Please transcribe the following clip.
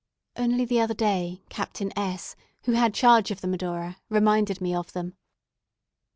Only the other day, Captain S , who had charge of the "Medora," reminded me of them.